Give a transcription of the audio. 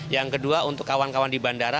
yang kedua untuk kawan kawan di bandara